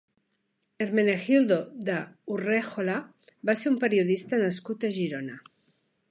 Hermenegildo de Urréjola va ser un periodista nascut a Girona.